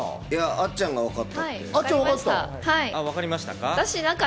あっちゃんがわかったって。